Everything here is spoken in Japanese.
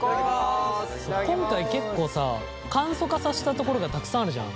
今回結構さ簡素化させたところがたくさんあるじゃん。